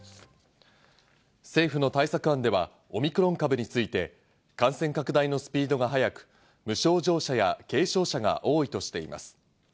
政府の対策案ではオミクロン株について感染拡大のスピードが早く、無症状者や軽症者が多いとしています。